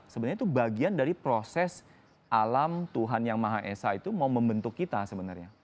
sebenarnya itu bagian dari proses alam tuhan yang maha esa itu mau membentuk kita sebenarnya